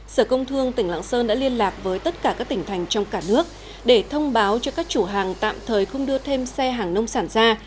sở công thương tỉnh lạng sơn đã liên lạc với tất cả các tỉnh thành trong cả nước để thông báo cho các chủ hàng tạm thời không đưa thêm xe hàng nông sản ra